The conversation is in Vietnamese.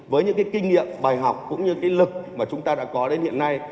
với những cái kinh nghiệm bài học cũng như cái lực mà chúng ta đã có đến hiện nay